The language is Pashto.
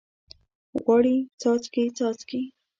غواړي څاڅکي، څاڅکي